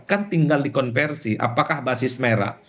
kan tinggal dikonversi apakah basis merah